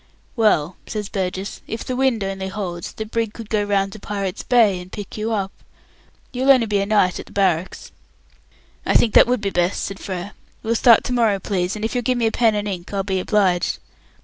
"Well," says Burgess, "if the wind only holds, the brig could go round to Pirates' Bay and pick you up. You'll only be a night at the barracks." "I think that would be best," said Frere. "We'll start to morrow, please, and if you'll give me a pen and ink I'll be obliged."